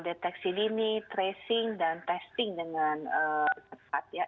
deteksi dini tracing dan testing dengan cepat ya